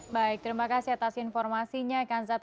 baik terima kasih atas informasinya